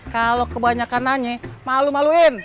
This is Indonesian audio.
kalo kebanyakan nanya mau lu maluin